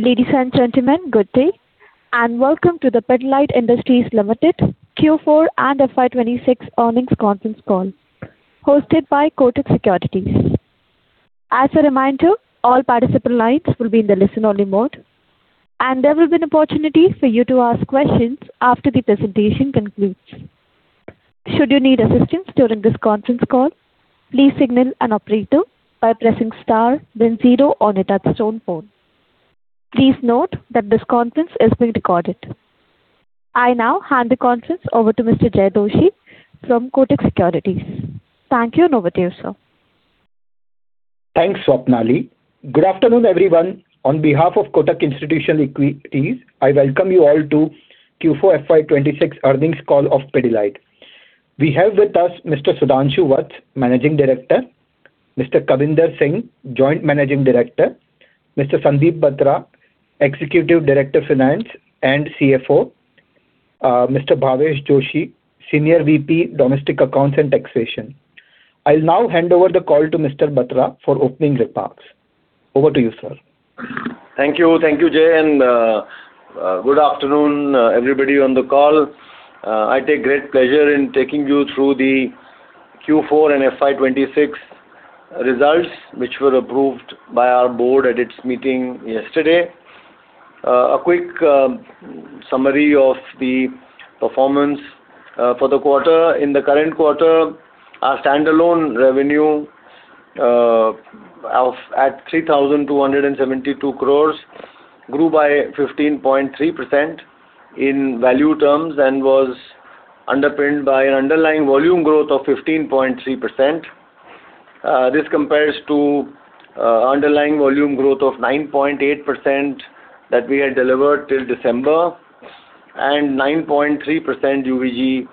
Ladies and gentlemen, good day, and welcome to the Pidilite Industries Limited Q4 and FY 2026 earnings conference call hosted by Kotak Securities. As a reminder, all participant lines will be in the listen-only mode, and there will be an opportunity for you to ask questions after the presentation concludes. Should you need assistance during this conference call, please signal an operator by pressing star, then zero on your touchtone phone. Please note that this conference is being recordedI now hand the conference over to Mr. Jay Doshi from Kotak Securities. Thank you, and over to you, sir. Thanks, Swapnali. Good afternoon, everyone. On behalf of Kotak Institutional Equities, I welcome you all to Q4 FY 2026 earnings call of Pidilite. We have with us Mr. Sudhanshu Vats, Managing Director, Mr. Kavinder Singh, Joint Managing Director, Mr. Sandeep Batra, Executive Director Finance and CFO, Mr. Bhavesh Joshi, Senior VP Domestic Accounts and Taxation. I'll now hand over the call to Mr. Batra for opening remarks. Over to you, sir. Thank you. Thank you, Jay, and good afternoon, everybody on the call. I take great pleasure in taking you through the Q4 and FY 2026 results, which were approved by our board at its meeting yesterday. A quick summary of the performance for the quarter. In the current quarter, our standalone revenue at 3,272 crore grew by 15.3% in value terms and was underpinned by an underlying volume growth of 15.3%. This compares to underlying volume growth of 9.8% that we had delivered till December and 9.3% UVG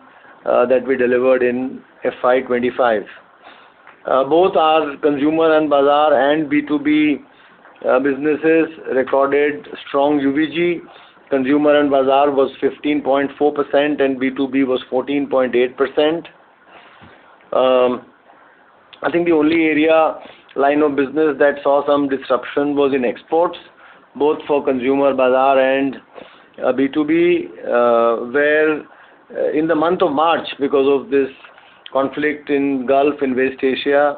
that we delivered in FY 2025. Both our Consumer & Bazaar and B2B businesses recorded strong UVG. Consumer & Bazaar was 15.4%. B2B was 14.8%. I think the only area line of business that saw some disruption was in exports, both for Consumer & Bazaar and B2B, where in the month of March, because of this conflict in Gulf, in West Asia,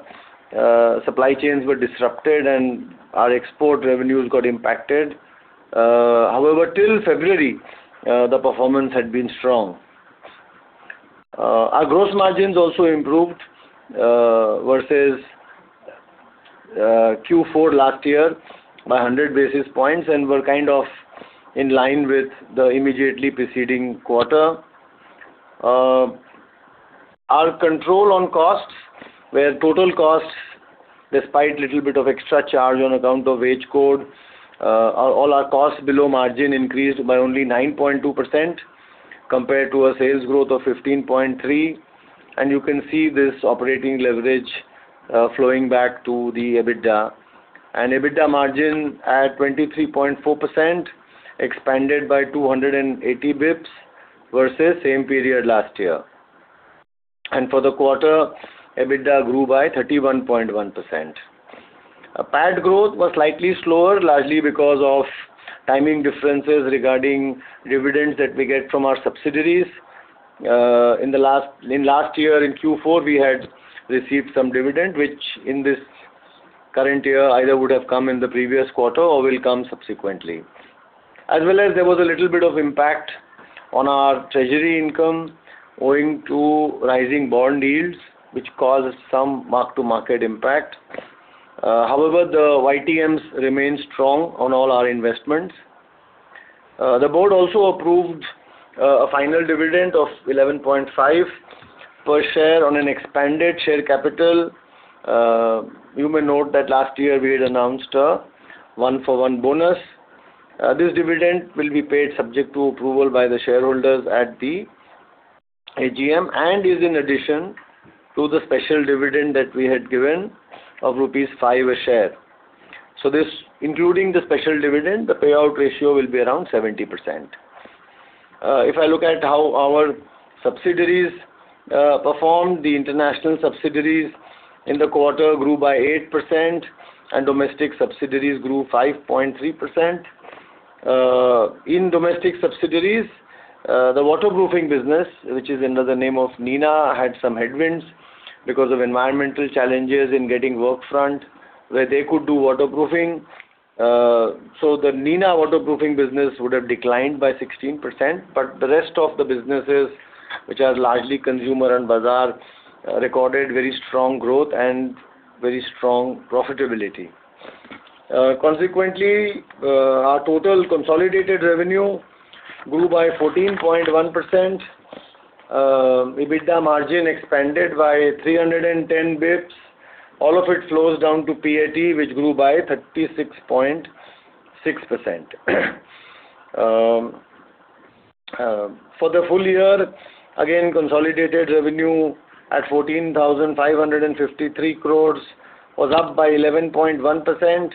supply chains were disrupted and our export revenues got impacted. However, till February, the performance had been strong. Our gross margins also improved versus Q4 last year by 100 basis points and were kind of in line with the immediately preceding quarter. Our control on costs, where total costs, despite little bit of extra charge on account of Wage Code, all our costs below margin increased by only 9.2% compared to a sales growth of 15.3%. You can see this operating leverage flowing back to the EBITDA. EBITDA margin at 23.4% expanded by 280 basis points versus the same period last year. For the quarter, EBITDA grew by 31.1%. Our PAT growth was slightly slower, largely because of timing differences regarding dividends that we get from our subsidiaries. In last year, in Q4, we had received some dividend, which in this current year either would have come in the previous quarter or will come subsequently. As well as there was a little bit of impact on our treasury income owing to rising bond yields, which caused some mark-to-market impact. However, the YTMs remain strong on all our investments. The board also approved a final dividend of 11.5 per share on an expanded share capital. You may note that last year we had announced a one-for-one bonus. This dividend will be paid subject to approval by the shareholders at the AGM and is in addition to the special dividend that we had given of rupees 5 a share. This, including the special dividend, the payout ratio will be around 70%. If I look at how our subsidiaries performed, the international subsidiaries in the quarter grew by 8%, and domestic subsidiaries grew 5.3%. In domestic subsidiaries, the waterproofing business, which is under the name of Nina, had some headwinds because of environmental challenges in getting work front where they could do waterproofing. The Nina waterproofing business would have declined by 16%. The rest of the businesses, which are largely consumer and bazaar, recorded very strong growth and very strong profitability. Consequently, our total consolidated revenue grew by 14.1%. EBITDA margin expanded by 310 basis points. All of it flows down to PAT, which grew by 36.6%. For the full year, again, consolidated revenue at 14,553 crore was up by 11.1%,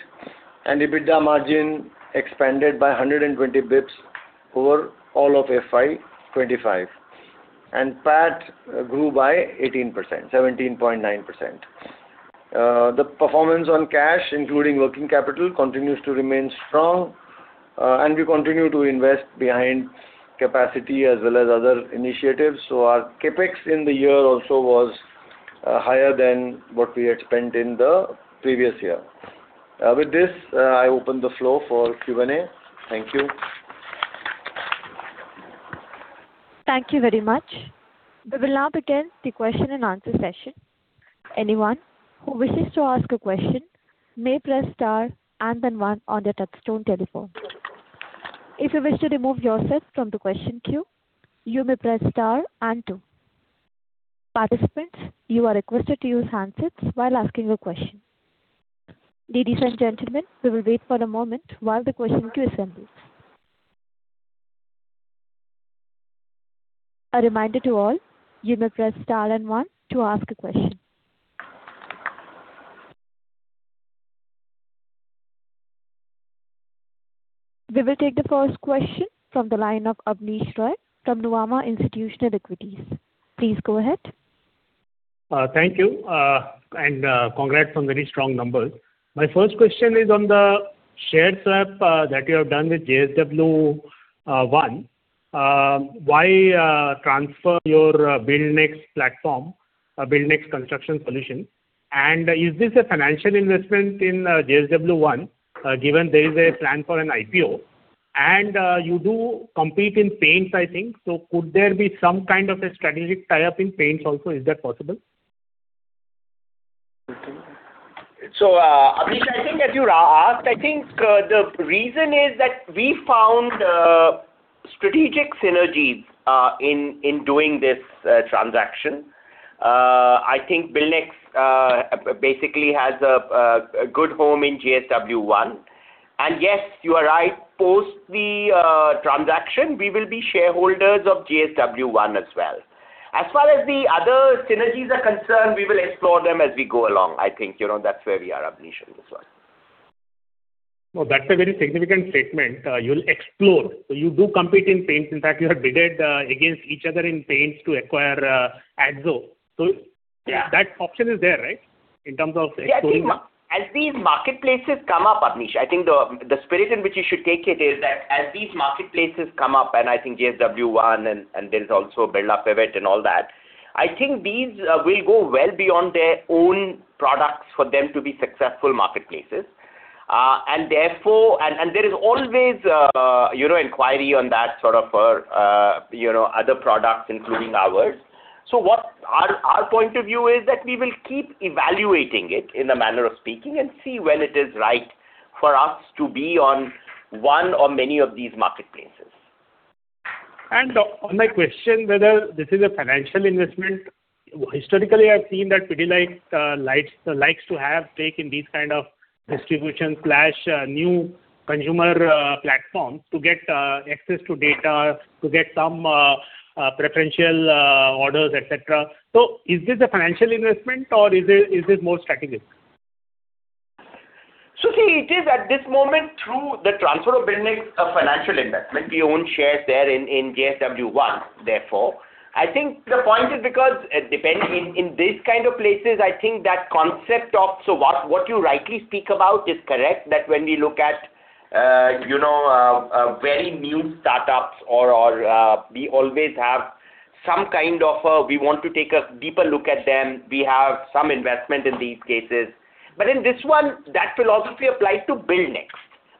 and EBITDA margin expanded by 120 basis points over all of FY 2025. PAT grew by 18%, 17.9%. The performance on cash, including working capital, continues to remain strong. We continue to invest behind capacity as well as other initiatives. Our CapEx in the year also was higher than what we had spent in the previous year. With this, I open the floor for Q&A. Thank you. Thank you very much. We will now begin the question and answer session. Anyone who wishes to ask a question may press star one on their touchtone telephone. If you wish to remove yourself from the question queue, you may press star two. Participants, you are requested to use handsets while asking a question. Ladies and gentlemen, we will wait for a moment while the question queue assembles. A reminder to all, you may press star one to ask a question. We will take the first question from the line of Abneesh Roy from Nuvama Institutional Equities. Please go ahead. Thank you. Congrats on very strong numbers. My first question is on the share swap that you have done with JSW One. Why transfer your BuildNext platform, BuildNext Construction Solution? Is this a financial investment in JSW One, given there is a plan for an IPO? You do compete in paints, I think. Could there be some kind of a strategic tie-up in paints also? Is that possible? Abneesh, I think as you asked, I think the reason is that we found strategic synergies in doing this transaction. I think BuildNext basically has a good home in JSW One. Yes, you are right. Post the transaction, we will be shareholders of JSW One as well. As far as the other synergies are concerned, we will explore them as we go along. I think, you know, that's where we are, Abneesh, on this one. No, that's a very significant statement. You'll explore. You do compete in paints. In fact, you have bidded against each other in paints to acquire Akzo. Yeah. That option is there, right? Yeah, I think as these marketplaces come up, Abneesh, I think the spirit in which you should take it is that as these marketplaces come up, and I think JSW One and there's also Build Up, [Evett] and all that, I think these will go well beyond their own products for them to be successful marketplaces. Therefore there is always, you know, inquiry on that sort of, you know, other products, including ours. What our point of view is that we will keep evaluating it, in a manner of speaking, and see when it is right for us to be on one or many of these marketplaces. On my question whether this is a financial investment, historically, I've seen that Pidilite likes to have stake in these kind of distribution/new consumer platforms to get access to data, to get some preferential orders, et cetera. Is this a financial investment or is it more strategic? See, it is at this moment, through the transfer of BuildNext, a financial investment. We own shares there in JSW One, therefore. In these kind of places, I think that concept of, what you rightly speak about is correct, that when we look at very new startups or we always have some kind of, we want to take a deeper look at them. We have some investment in these cases. In this one, that philosophy applies to BuildNext,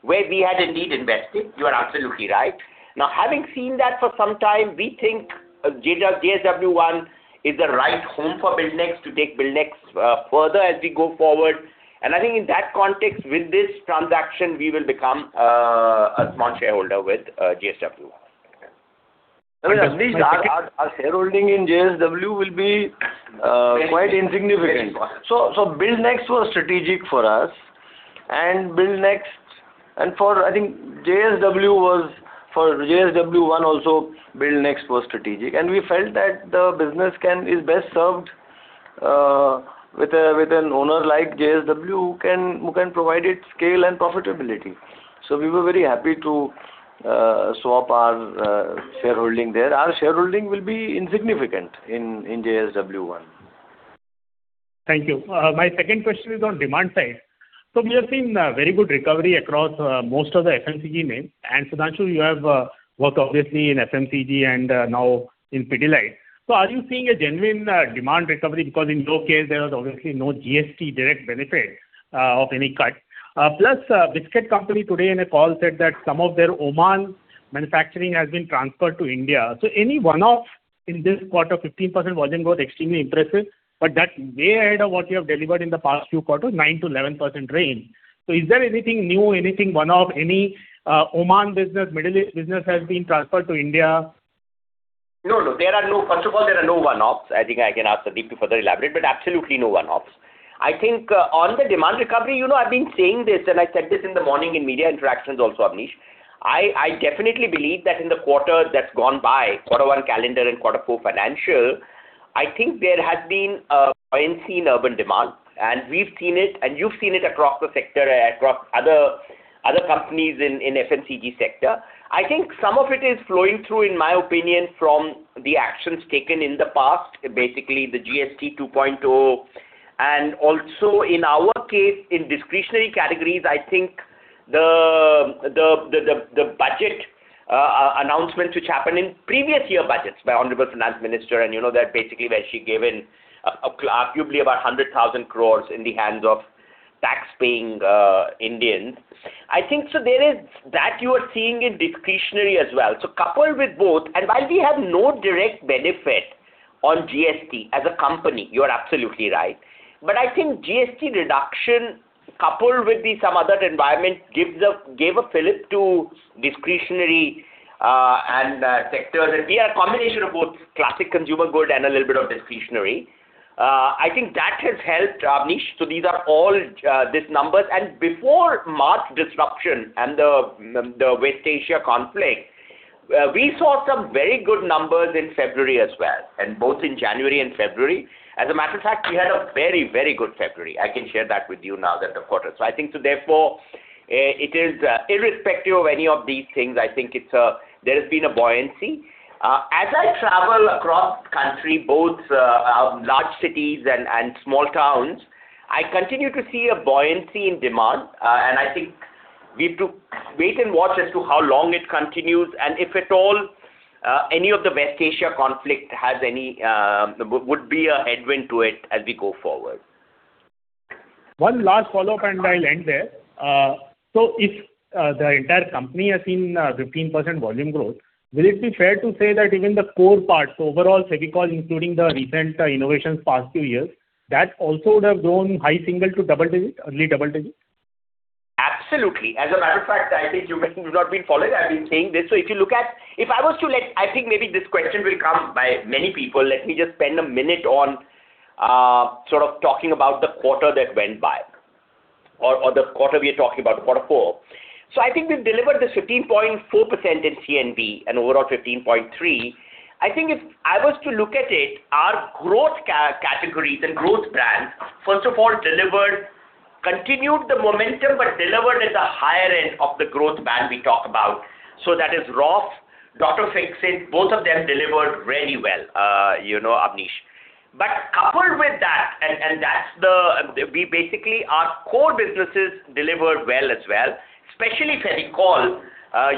where we had indeed invested. You are absolutely right. Having seen that for some time, we think JSW One is the right home for BuildNext to take BuildNext further as we go forward. I think in that context, with this transaction, we will become a small shareholder with JSW One. No, no, Abneesh, our shareholding in JSW will be quite insignificant. BuildNext was strategic for us. For JSW One also, BuildNext was strategic. We felt that the business can is best served with an owner like JSW who can provide it scale and profitability. We were very happy to swap our shareholding there. Our shareholding will be insignificant in JSW One. Thank you. My second question is on demand side. We have seen very good recovery across most of the FMCG names. Sudhanshu, you have worked obviously in FMCG and now in Pidilite. Are you seeing a genuine demand recovery? Because in your case, there was obviously no GST direct benefit of any cut. A biscuit company today in a call said that some of their Oman manufacturing has been transferred to India. Any one-off in this quarter, 15% volume growth, extremely impressive, but that's way ahead of what you have delivered in the past few quarters, 9%-11% range. Is there anything new, anything one-off, any Oman business, Middle East business has been transferred to India? No, no. First of all, there are no one-offs. I think I can ask Sandeep to further elaborate, but absolutely no one-offs. I think on the demand recovery, you know, I've been saying this, and I said this in the morning in media interactions also, Abneesh. I definitely believe that in the quarter that's gone by, quarter one calendar and quarter four financial, I think there has been a buoyancy in urban demand, and we've seen it and you've seen it across the sector, across other companies in FMCG sector. I think some of it is flowing through, in my opinion, from the actions taken in the past, basically the GST 2.0. Also in our case, in discretionary categories, I think the budget announcement which happened in previous year budgets by Honorable Finance Minister, and you know that basically where she gave in arguably about 100,000 crore in the hands of tax-paying Indians. I think so there is that you are seeing in discretionary as well. Coupled with both, and while we have no direct benefit on GST as a company, you are absolutely right. But I think GST reduction coupled with the some other environment gave a fillip to discretionary and sectors. And we are a combination of both classic consumer good and a little bit of discretionary. I think that has helped, Abneesh. These are all these numbers. Before March disruption and the West Asia conflict, we saw some very good numbers in February as well, both in January and February. As a matter of fact, we had a very, very good February. I can share that with you now that the quarter. I think therefore, it is irrespective of any of these things, I think it's there has been a buoyancy. As I travel across country, both large cities and small towns, I continue to see a buoyancy in demand. I think we have to wait and watch as to how long it continues, and if at all, any of the West Asia conflict has any would be a headwind to it as we go forward. One last follow-up, I'll end there. If the entire company has seen 15% volume growth, will it be fair to say that even the core part, overall Fevicol, including the recent innovations past few years, that also would have grown high single to double digit, early double digit? Absolutely. As a matter of fact, I think you guys have not been following. I've been saying this. If you look at I think maybe this question will come by many people. Let me just spend a minute on sort of talking about the quarter that went by or the quarter we are talking about, Q4. I think we've delivered this 15.4% in C&B and overall 15.3%. I think if I was to look at it, our growth categories and growth brands, first of all, delivered, continued the momentum, but delivered at the higher end of the growth band we talk about. That is Roff, Dr. Fixit, both of them delivered really well, you know, Abneesh. Coupled with that, we basically, our core businesses delivered well as well, especially Fevicol,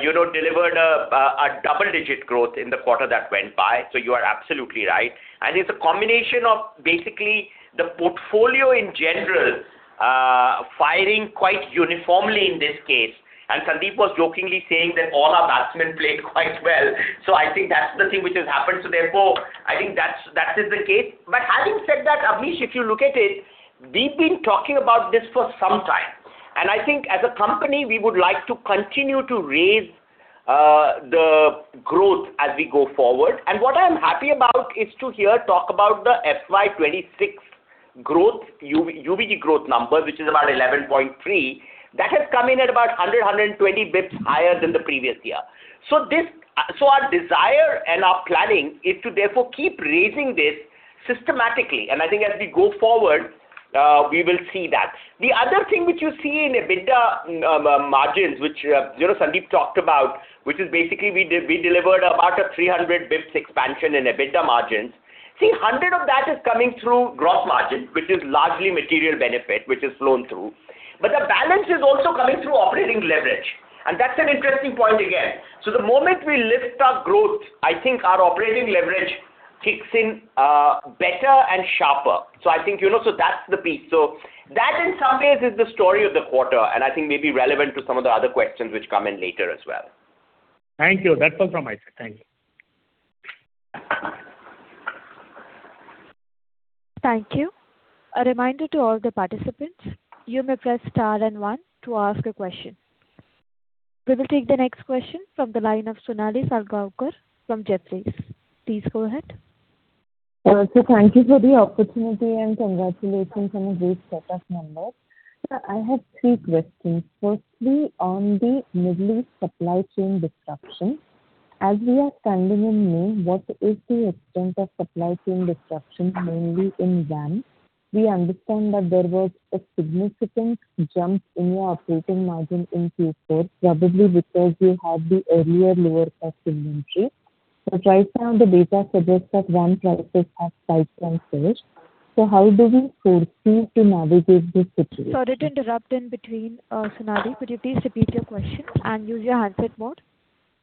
you know, delivered a double-digit growth in the quarter that went by. You are absolutely right. It's a combination of basically the portfolio in general, firing quite uniformly in this case. Sandeep was jokingly saying that all our batsmen played quite well. I think that's the thing which has happened. I think that is the case. Having said that, Abneesh, if you look at it, we've been talking about this for some time. I think as a company, we would like to continue to raise the growth as we go forward. What I'm happy about is to hear talk about the FY 2026 growth, UVG growth number, which is about 11.3%. That has come in at about 100, 120 basis points higher than the previous year. Our desire and our planning is to therefore keep raising this systematically. I think as we go forward, we will see that. The other thing which you see in EBITDA margins, which you know, Sandeep talked about, which is basically we delivered about a 300 basis points expansion in EBITDA margins. 100 basis points of that is coming through gross margin, which is largely material benefit, which has flown through. The balance is also coming through operating leverage, and that's an interesting point again. The moment we lift our growth, I think our operating leverage kicks in better and sharper. I think, you know, that's the piece. That in some ways is the story of the quarter, and I think may be relevant to some of the other questions which come in later as well. Thank you. That's all from my side. Thank you. Thank you. A reminder to all the participants, you may press star and one to ask a question. We will take the next question from the line of Sonali Salgaonkar from Jefferies. Please go ahead. Sir, thank you for the opportunity and congratulations on a great set of numbers. Sir, I have three questions. Firstly, on the Middle East supply chain disruption. As we are standing in May, what is the extent of supply chain disruption mainly in VAM? We understand that there was a significant jump in your operating margin in Q4, probably because you had the earlier lower cost inventory. Right now, the data suggests that VAM prices have spiked and surged. How do we foresee to navigate this situation? Sorry to interrupt in between, Sonali. Could you please repeat your question and use your handset mode?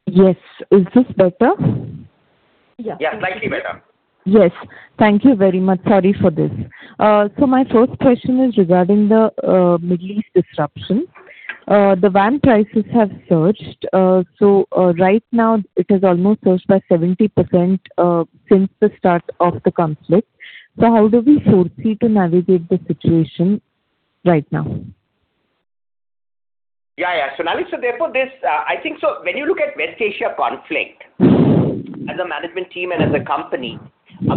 Yes. Is this better? Yeah. Yeah, slightly better. Yes. Thank you very much. Sorry for this. My first question is regarding the Middle East disruption. The VAM prices have surged. Right now it has almost surged by 70% since the start of the conflict. How do we foresee to navigate the situation right now? Yeah, yeah. Sonali, therefore this, I think so when you look at West Asia conflict, as a management team and as a company,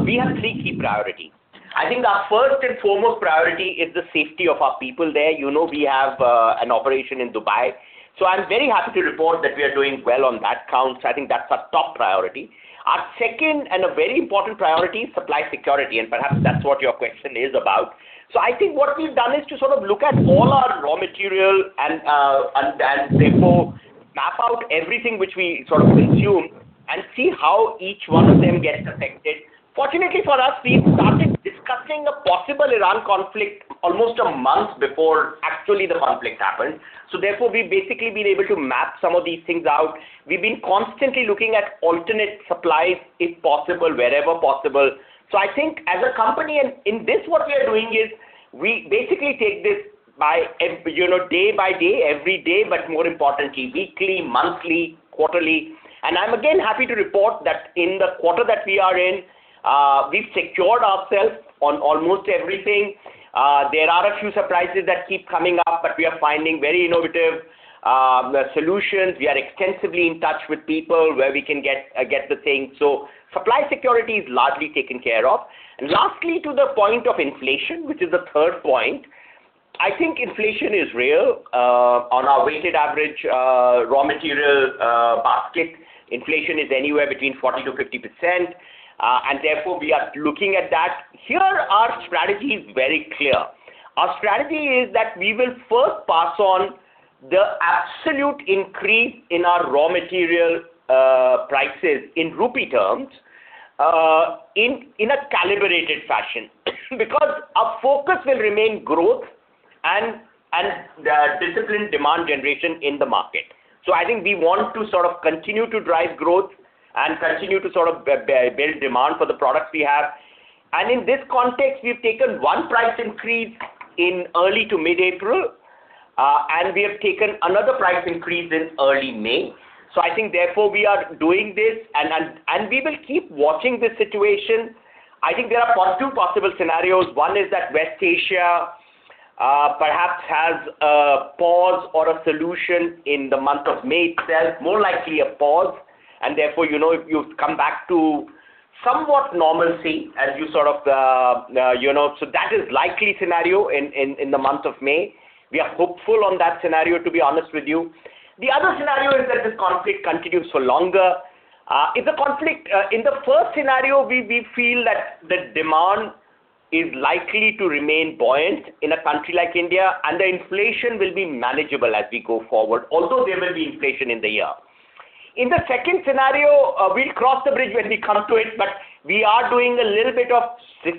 we have three key priority. I think our first and foremost priority is the safety of our people there. You know, we have an operation in Dubai. I'm very happy to report that we are doing well on that count. I think that's our top priority. Our second and a very important priority is supply security, and perhaps that's what your question is about. I think what we've done is to sort of look at all our raw material and therefore map out everything which we sort of consume and see how each one of them gets affected. Fortunately for us, we started discussing a possible Iran conflict almost a month before actually the conflict happened, so therefore we've basically been able to map some of these things out. We've been constantly looking at alternate supplies, if possible, wherever possible. I think as a company and in this what we are doing is we basically take this by, you know, day by day, every day, but more importantly, weekly, monthly, quarterly. I'm again happy to report that in the quarter that we are in, we've secured ourselves on almost everything. There are a few surprises that keep coming up, but we are finding very innovative solutions. We are extensively in touch with people where we can get the thing. Supply security is largely taken care of. Lastly, to the point of inflation, which is the third point, I think inflation is real. On our weighted average raw material basket, inflation is anywhere between 40%-50%, and therefore we are looking at that. Here our strategy is very clear. Our strategy is that we will first pass on the absolute increase in our raw material prices in rupee terms in a calibrated fashion because our focus will remain growth and disciplined demand generation in the market. I think we want to sort of continue to drive growth and continue to sort of build demand for the products we have. In this context, we've taken one price increase in early to mid-April, and we have taken another price increase in early May. I think therefore we are doing this and we will keep watching the situation. I think there are two possible scenarios. One is that West Asia perhaps has a pause or a solution in the month of May itself, more likely a pause. Therefore, you know, you come back to somewhat normalcy as you sort of, you know. That is likely scenario in the month of May. We are hopeful on that scenario, to be honest with you. The other scenario is that this conflict continues for longer. If the conflict in the first scenario, we feel that the demand is likely to remain buoyant in a country like India, and the inflation will be manageable as we go forward. Although there will be inflation in the year. In the second scenario, we'll cross the bridge when we come to it, but we are doing a little bit of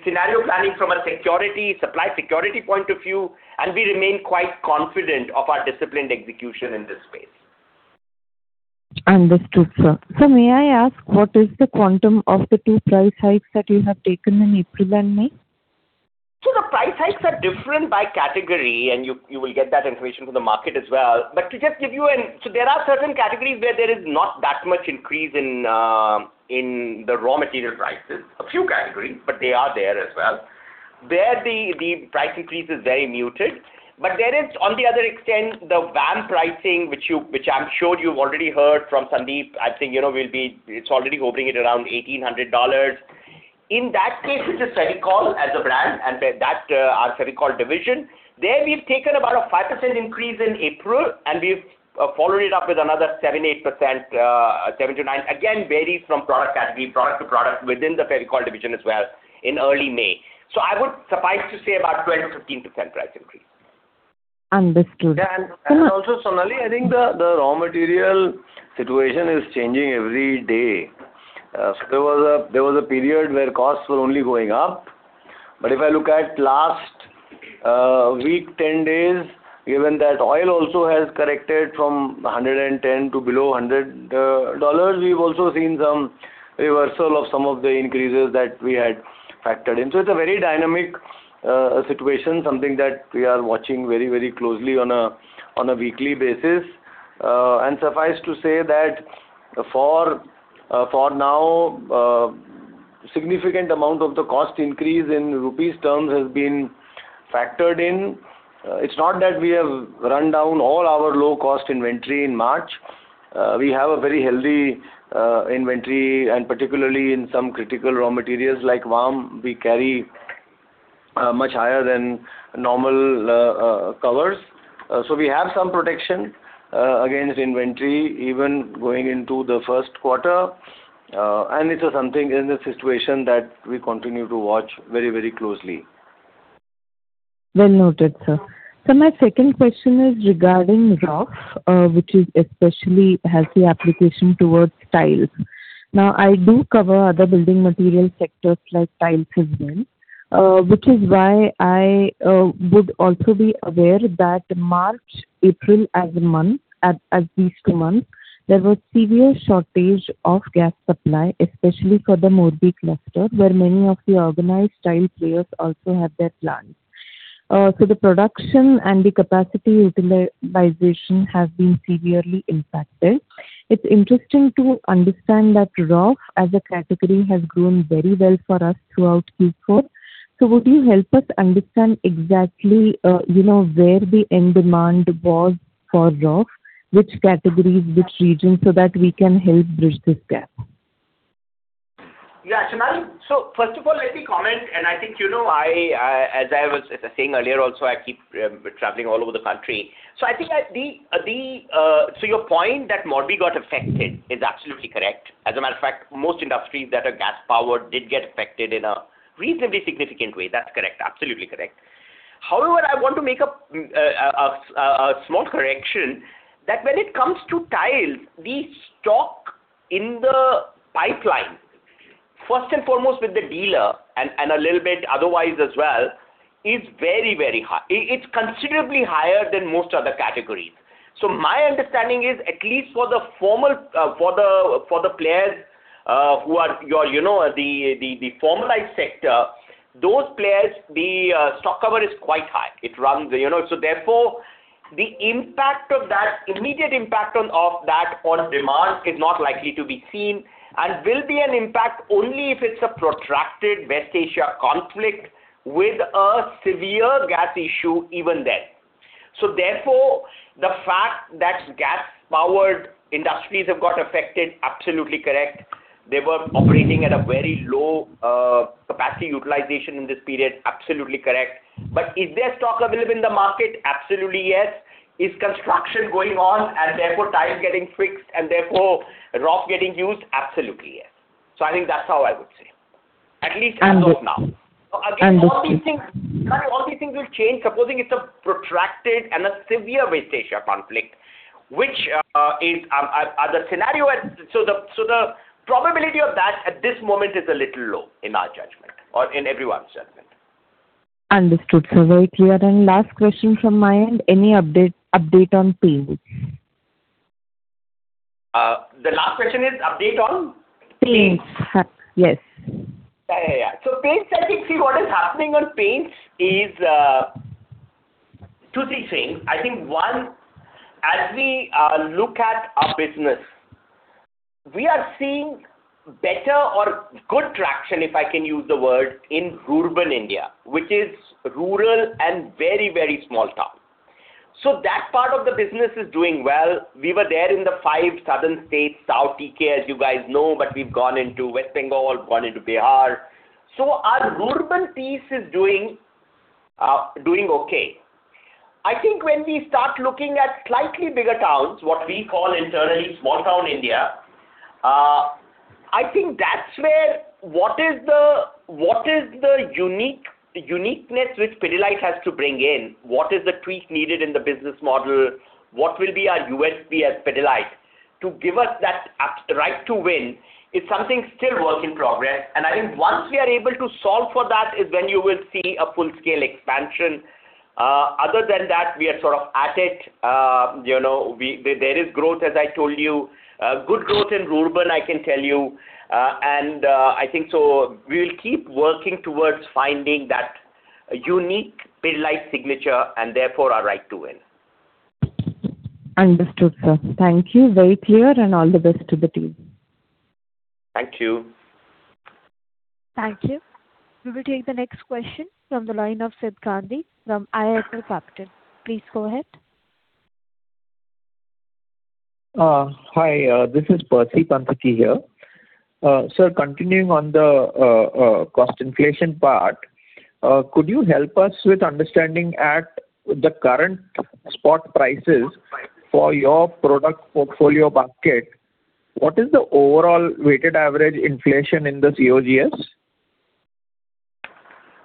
scenario planning from a security, supply security point of view, and we remain quite confident of our disciplined execution in this space. Understood, sir. Sir, may I ask what is the quantum of the two price hikes that you have taken in April and May? The price hikes are different by category, and you will get that information from the market as well. There are certain categories where there is not that much increase in the raw material prices. A few categories, but they are there as well. Where the price increase is very muted. There is, on the other extent, the VAM pricing, which I'm sure you've already heard from Sandeep. It's already hovering at around $1,800. In that case, which is Fevicol as a brand and that, our Fevicol division, there we've taken about a 5% increase in April, and we've followed it up with another 7%-8%, 7%-9%. Varies from product category, product to product within the Fevicol division as well in early May. I would suffice to say about 12%-15% price increase. Understood. And also, Sonali, I think the raw material situation is changing every day. There was a period where costs were only going up. If I look at last week, 10 days, given that oil also has corrected from $110 to below $100, we've also seen some reversal of some of the increases that we had factored in. It's a very dynamic situation, something that we are watching very, very closely on a weekly basis. Suffice to say that for now, significant amount of the cost increase in INR terms has been factored in. It's not that we have run down all our low-cost inventory in March. We have a very healthy inventory, and particularly in some critical raw materials like VAM, we carry much higher than normal covers. We have some protection against inventory even going into the first quarter. It's something in this situation that we continue to watch very, very closely. Well noted, sir. My second question is regarding Roff, which is especially has the application towards tiles. Now, I do cover other building material sectors like tiles as well, which is why I would also be aware that March, April as these two months, there was severe shortage of gas supply, especially for the Morbi cluster, where many of the organized tile players also have their plants. The production and the capacity utilization have been severely impacted. It's interesting to understand that Roff as a category has grown very well for us throughout Q4. Would you help us understand exactly, you know, where the end demand was for Roff? Which categories, which regions, so that we can help bridge this gap. Yeah, Sonali. First of all, let me comment, and I think, you know, as I was saying earlier also, I keep traveling all over the country. I think that the point that Morbi got affected is absolutely correct. As a matter of fact, most industries that are gas-powered did get affected in a reasonably significant way. That's correct. Absolutely correct. However, I want to make a small correction that when it comes to tiles, the stock in the pipeline, first and foremost with the dealer and a little bit otherwise as well, is very high. It's considerably higher than most other categories. My understanding is at least for the formal, for the players, who are your, you know, the formalized sector, those players, the stock cover is quite high. It runs, you know. Therefore, the immediate impact of that on demand is not likely to be seen, and will be an impact only if it's a protracted West Asia conflict with a severe gas issue even then. Therefore, the fact that gas-powered industries have got affected, absolutely correct. They were operating at a very low capacity utilization in this period. Absolutely correct. Is there stock available in the market? Absolutely, yes. Is construction going on and therefore tiles getting fixed and therefore Roff getting used? Absolutely, yes. I think that's how I would say. At least as of now. Understood. Again, all these things- Understood. Sonali, all these things will change supposing it's a protracted and a severe West Asia conflict. The probability of that at this moment is a little low in our judgment or in everyone's judgment. Understood, sir. Very clear. Last question from my end, any update on paints? The last question is update on? Paints. Yes. Yeah, yeah. Paints, I think, see what is happening on paints is two, three things. I think, one, as we look at our business, we are seeing better or good traction, if I can use the word, in rural India, which is rural and very, very small town. That part of the business is doing well. We were there in the five southern states, South India, as you guys know, but we've gone into West Bengal, gone into Bihar. Our rural piece is doing okay. I think when we start looking at slightly bigger towns, what we call internally small town India, I think that's where what is the uniqueness which Pidilite has to bring in, what is the tweak needed in the business model, what will be our USP as Pidilite to give us that right to win is something still work in progress. I think once we are able to solve for that is when you will see a full-scale expansion. Other than that, we are sort of at it. You know, there is growth, as I told you. Good growth in rural, I can tell you. I think so we'll keep working towards finding that unique Pidilite signature and therefore our right to win. Understood, sir. Thank you. Very clear, and all the best to the team. Thank you. Thank you. We will take the next question from the line of Siddh Gandhi from IIFL Capital. Please go ahead. Hi, this is Percy Panthaki here. Sir, continuing on the cost inflation part, could you help us with understanding at the current spot prices for your product portfolio basket, what is the overall weighted average inflation in the COGS?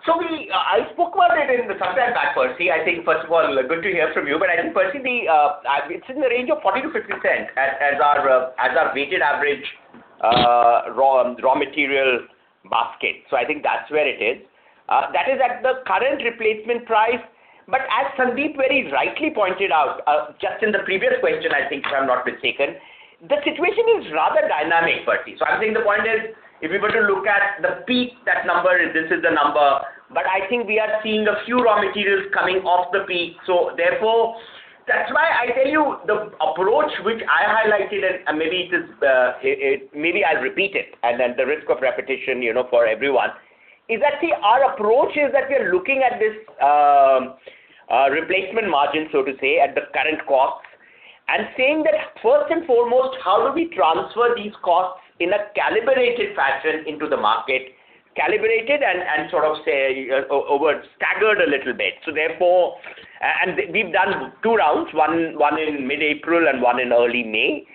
I spoke about it in the sometime back, Percy. I think, first of all, good to hear from you. I think, Percy, it's in the range of 40%-50% as our weighted average raw material basket. I think that's where it is. That is at the current replacement price. As Sandeep very rightly pointed out, just in the previous question, I think, if I'm not mistaken, the situation is rather dynamic, Percy. I think the point is, if you were to look at the peak, that number, this is the number. I think we are seeing a few raw materials coming off the peak. That's why I tell you the approach which I highlighted, and maybe it is, maybe I'll repeat it at the risk of repetition, you know, for everyone, is that, see, our approach is that we are looking at this replacement margin, so to say, at the current costs and saying that, first and foremost, how do we transfer these costs in a calibrated fashion into the market, calibrated and sort of say, a word, staggered a little bit. We've done two rounds, one in mid-April and one in early May.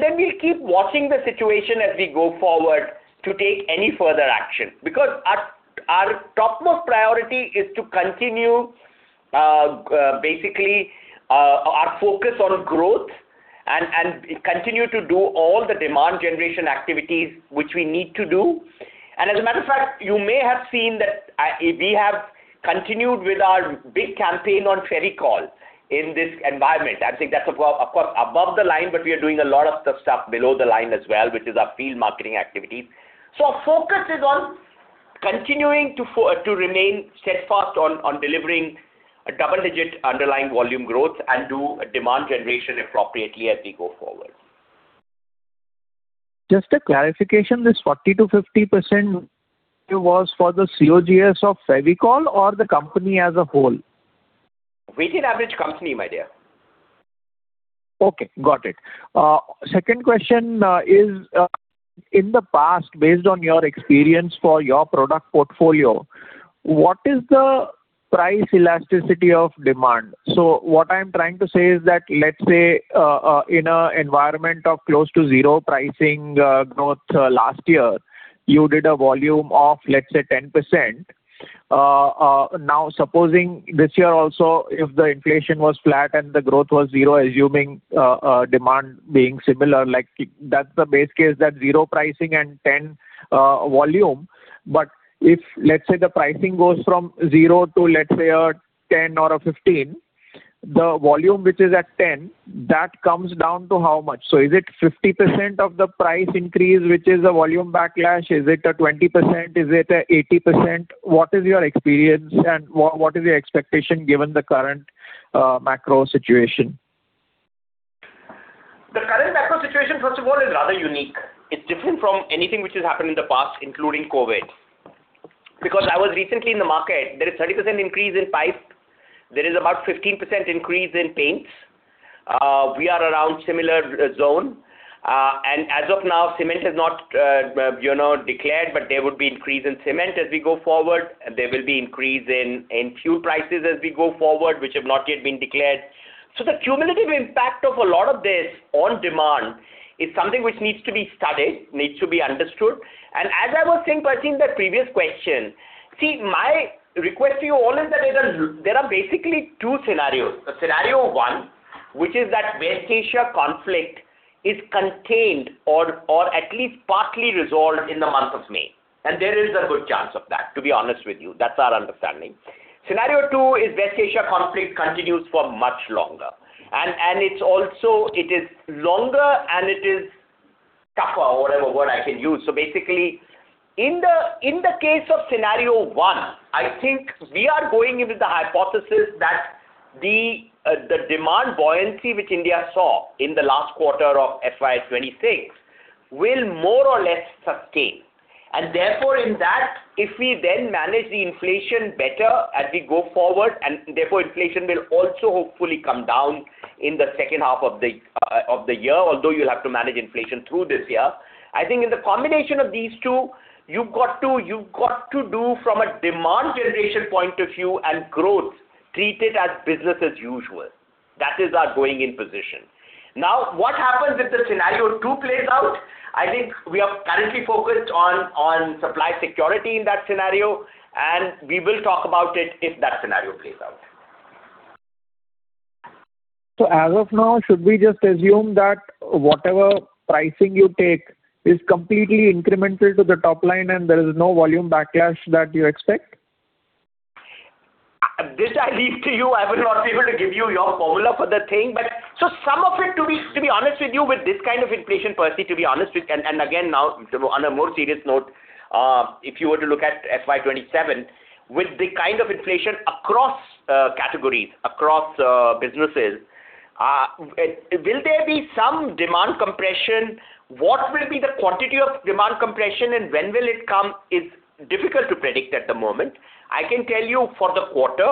Then we'll keep watching the situation as we go forward to take any further action. Our topmost priority is to continue our focus on growth and continue to do all the demand generation activities which we need to do. As a matter of fact, you may have seen that we have continued with our big campaign on Fevicol in this environment. I think that's above, of course, above the line, but we are doing a lot of the stuff below the line as well, which is our field marketing activities. Our focus is on continuing to remain steadfast on delivering a double-digit underlying volume growth and do demand generation appropriately as we go forward. Just a clarification. This 40%-50% was for the COGS of Fevicol or the company as a whole? Weighted average company, my dear. Okay, got it. Second question is in the past, based on your experience for your product portfolio, what is the price elasticity of demand? What I'm trying to say is that, let's say, in an environment of close to 0 pricing growth last year, you did a volume of, let's say, 10%. Now supposing this year also, if the inflation was flat and the growth was 0, assuming demand being similar, like that's the base case, that 0 pricing and 10% volume. If, let's say, the pricing goes from 0 to, let's say, a 10 or a 15, the volume which is at 10%, that comes down to how much? Is it 50% of the price increase, which is a volume backlash? Is it a 20%? Is it an 80%? What is your experience and what is your expectation given the current macro situation? The current macro situation, first of all, is rather unique. It's different from anything which has happened in the past, including COVID. I was recently in the market, there is 30% increase in pipe, there is about 15% increase in paints. We are around similar zone. As of now, cement has not, you know, declared, but there would be increase in cement as we go forward. There will be increase in fuel prices as we go forward, which have not yet been declared. The cumulative impact of a lot of this on demand is something which needs to be studied, needs to be understood. As I was saying, Percy, in the previous question, my request to you all is that there are basically two scenarios. Scenario one, which is that West Asia conflict is contained or at least partly resolved in the month of May. There is a good chance of that, to be honest with you. That's our understanding. Scenario two is West Asia conflict continues for much longer. It is longer and it is tougher or whatever word I can use. Basically, in the case of scenario one, I think we are going in with the hypothesis that the demand buoyancy which India saw in the last quarter of FY 2026 will more or less sustain. Therefore, in that, if we then manage the inflation better as we go forward, and therefore inflation will also hopefully come down in the second half of the year, although you'll have to manage inflation through this year. I think in the combination of these two, you've got to do from a demand generation point of view and growth, treat it as business as usual. That is our going in position. What happens if the scenario two plays out? I think we are currently focused on supply security in that scenario, and we will talk about it if that scenario plays out. As of now, should we just assume that whatever pricing you take is completely incremental to the top line and there is no volume backlash that you expect? This I leave to you. I will not be able to give you your formula for the thing. Some of it, to be honest with you, with this kind of inflation, Percy, to be honest with you. Again, now on a more serious note, if you were to look at FY 2027, with the kind of inflation across categories, across businesses, will there be some demand compression? What will be the quantity of demand compression and when will it come is difficult to predict at the moment. I can tell you for the quarter,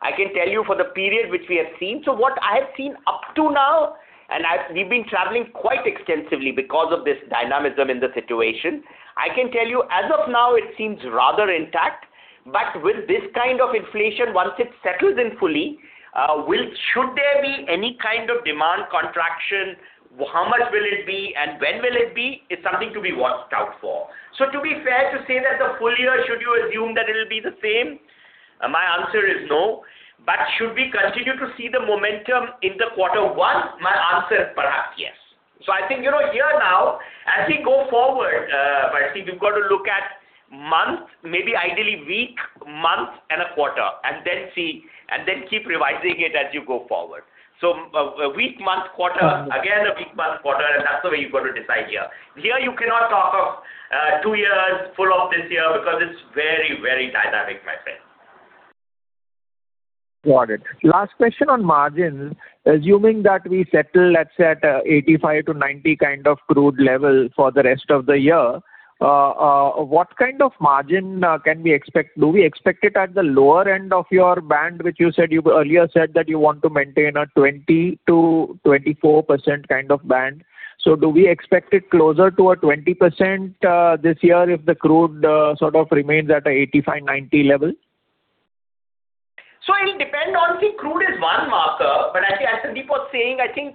I can tell you for the period which we have seen. What I have seen up to now, and we've been traveling quite extensively because of this dynamism in the situation. I can tell you as of now it seems rather intact. With this kind of inflation, once it settles in fully, should there be any kind of demand contraction? How much will it be and when will it be? It's something to be watched out for. To be fair to say that the full year, should you assume that it'll be the same? My answer is no. Should we continue to see the momentum in the quarter one? My answer is perhaps yes. I think, you know, here now, as we go forward, Percy, we've got to look at month, maybe ideally week, month, and a quarter, and then see, and then keep revising it as you go forward. A week, month, quarter, again a week, month, quarter, and that's the way you've got to decide here. Here you cannot talk of, two years, full of this year, because it's very dynamic, my friend. Got it. Last question on margins. Assuming that we settle, let's say, at $85-$90 kind of crude level for the rest of the year, what kind of margin can we expect? Do we expect it at the lower end of your band, which you earlier said that you want to maintain a 20%-24% kind of band. Do we expect it closer to a 20% this year if the crude sort of remains at a $85, $90 level? It'll depend on. See, crude is one marker, but I think as Sandeep was saying, I think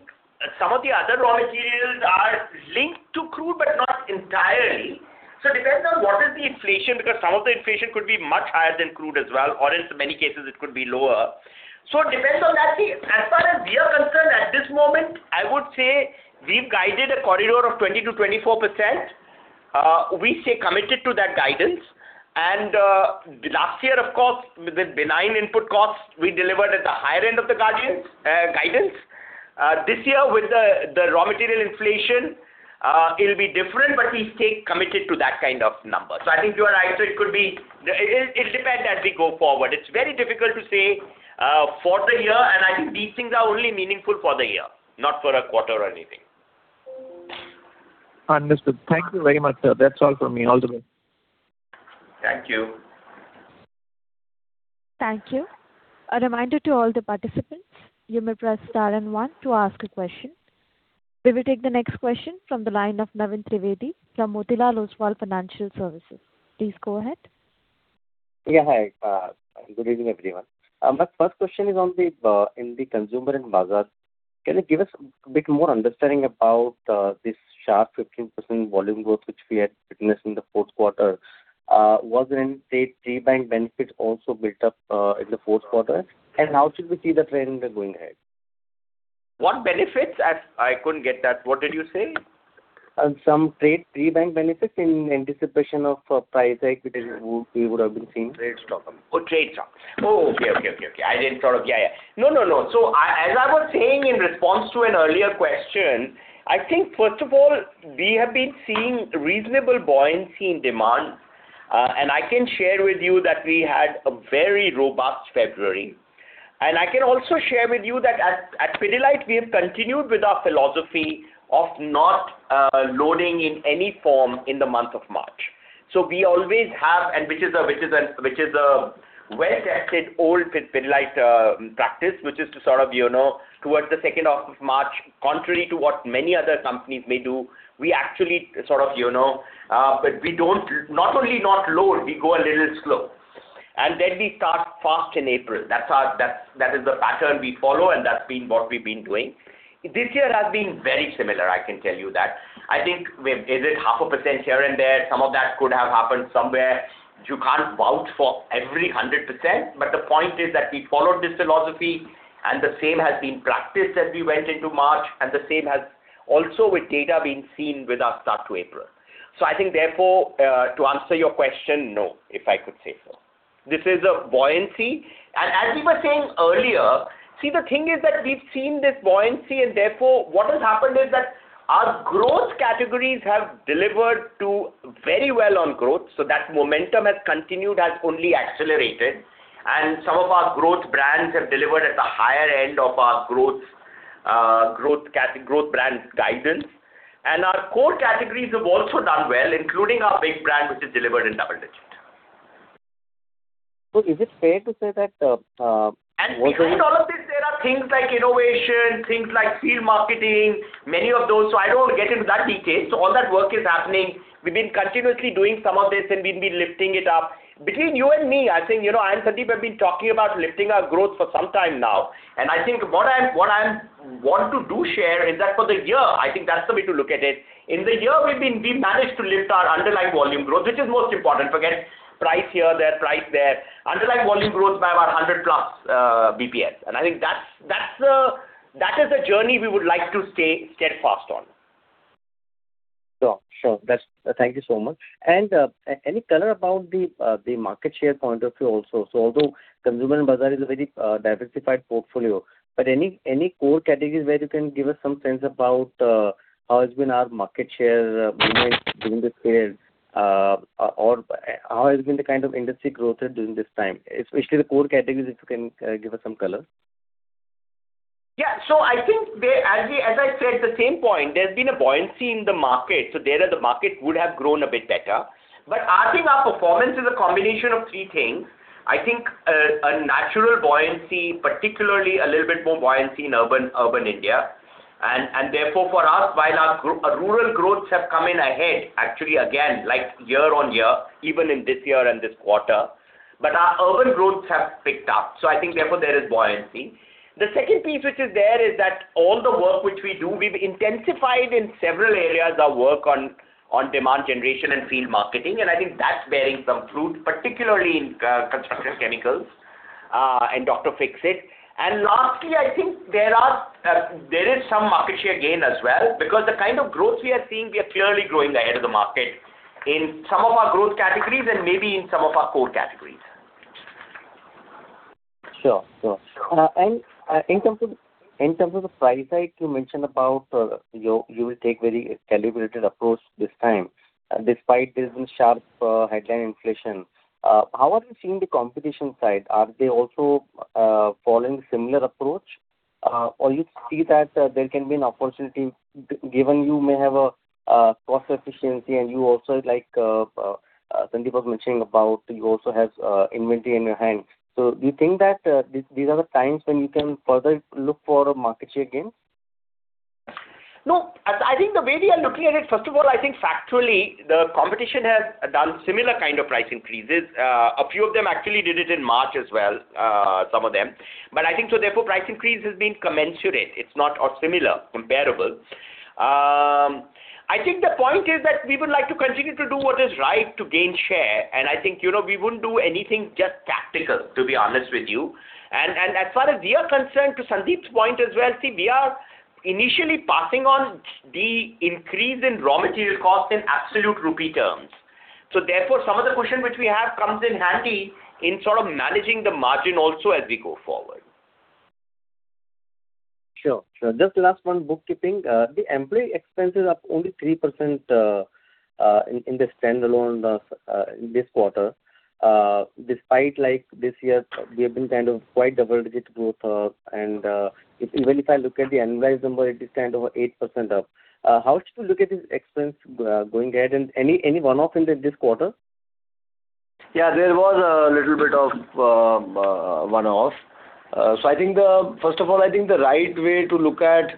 some of the other raw materials are linked to crude, but not entirely. It depends on what is the inflation, because some of the inflation could be much higher than crude as well, or in many cases it could be lower. It depends on that. As far as we are concerned at this moment, I would say we've guided a corridor of 20%-24%. We stay committed to that guidance. Last year, of course, with the benign input costs, we delivered at the higher end of the guidance. This year with the raw material inflation, it'll be different, but we stay committed to that kind of number. I think you are right. It depends as we go forward. It's very difficult to say for the year, I think these things are only meaningful for the year, not for a quarter or anything. Understood. Thank you very much, sir. That's all from me. All the best. Thank you. Thank you. A reminder to all the participants, you may press star and one to ask a question. We will take the next question from the line of Naveen Trivedi from Motilal Oswal Financial Services. Please go ahead. Yeah, hi. Good evening, everyone. My first question is on the Consumer & Bazaar. Can you give us a bit more understanding about this sharp 15% volume growth which we had witnessed in the fourth quarter? Was there any pre-buying benefits also built up in the fourth quarter? How should we see the trend going ahead? What benefits? As I couldn't get that. What did you say? Some trade pre-buy benefits in anticipation of a price hike which is we would have been seeing. Trade stock. Oh, trade stock. Oh, okay, okay. I didn't sort of. Yeah, yeah. No, no. As I was saying in response to an earlier question, I think, first of all, we have been seeing reasonable buoyancy in demand. I can share with you that we had a very robust February. I can also share with you that at Pidilite, we have continued with our philosophy of not loading in any form in the month of March. We always have, and which is a well-tested old Pidilite practice, which is to sort of, you know, towards the second half of March, contrary to what many other companies may do, we actually sort of, you know, but we don't, not only not load, we go a little slow. We start fast in April. That's our, that is the pattern we follow, and that's been what we've been doing. This year has been very similar, I can tell you that. I think, is it 0.5% here and there? Some of that could have happened somewhere. You can't vouch for every 100%. The point is that we followed this philosophy, and the same has been practiced as we went into March, and the same has also with data been seen with our start to April. I think therefore, to answer your question, no, if I could say so. This is a buoyancy. As we were saying earlier, see, the thing is that we've seen this buoyancy and therefore what has happened is that our growth categories have delivered to very well on growth, that momentum has continued, has only accelerated. Some of our growth brands have delivered at the higher end of our growth brands guidance. Our core categories have also done well, including our big brand, which has delivered in double digit. Is it fair to say that? Behind all of this, there are things like innovation, things like field marketing, many of those, so I don't get into that detail. All that work is happening. We've been continuously doing some of this, and we've been lifting it up. Between you and me, I think, you know, I and Sandeep have been talking about lifting our growth for some time now. I think what I want to share is that for the year, I think that's the way to look at it. In the year we managed to lift our underlying volume growth, which is most important. Forget price here, there, price there. Underlying volume growth by about 100+basis points. I think that is the journey we would like to stay steadfast on. Sure, sure. Thank you so much. Any color about the market share point of view also. Although Consumer and Bazaar is a very diversified portfolio, any core categories where you can give us some sense about how has been our market share movement during this period or how has been the kind of industry growth during this time? Especially the core categories, if you can give us some color. I think there, as we, as I said, the same point, there's been a buoyancy in the market. There the market would have grown a bit better. I think our performance is a combination of three things. I think a natural buoyancy, particularly a little bit more buoyancy in urban India. Therefore for us, while our rural growths have come in ahead, actually again, like year-on-year, even in this year and this quarter. Our urban growths have picked up. I think therefore there is buoyancy. The second piece which is there is that all the work which we do, we've intensified in several areas our work on demand generation and field marketing, and I think that's bearing some fruit, particularly in construction chemicals and Dr. Fixit. Lastly, I think there is some market share gain as well, because the kind of growth we are seeing, we are clearly growing ahead of the market in some of our growth categories and maybe in some of our core categories. Sure, sure. In terms of the price hike you mentioned about, you will take very calibrated approach this time, despite there's been sharp, headline inflation. How are you seeing the competition side? Are they also following similar approach? Or you see that, there can be an opportunity given you may have a cost efficiency and you also like Sandeep Batra was mentioning about you also has inventory in your hand. Do you think that these are the times when you can further look for market share gains? No. As I think the way we are looking at it, first of all, I think factually the competition has done similar kind of price increases. A few of them actually did it in March as well, some of them. I think so therefore price increase has been commensurate. It's not. Similar, comparable. I think the point is that we would like to continue to do what is right to gain share, and I think, you know, we wouldn't do anything just tactical, to be honest with you. And as far as we are concerned, to Sandeep's point as well, see, we are initially passing on the increase in raw material cost in absolute rupee terms. Therefore, some of the cushion which we have comes in handy in sort of managing the margin also as we go forward. Sure, sure. Just last one, bookkeeping. The employee expenses are up only 3%, in the standalone, in this quarter, despite like this year we have been kind of quite double-digit growth, and even if I look at the annualized number, it is kind of 8% up. How should we look at this expense, going ahead, and any one-off in this quarter? Yeah, there was a little bit of one-off. First of all, I think the right way to look at